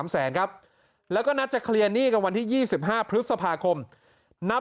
แสนครับแล้วก็นัดจะเคลียร์หนี้กับวันที่๒๕พฤษภาคมนับ